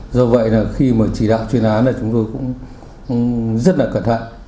do vậy khi chỉ đạo chuyên án chúng tôi cũng rất cẩn thận